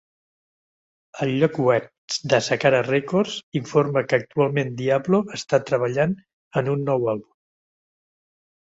El lloc web de Sakara Records informa que actualment Diablo està treballant en un nou àlbum.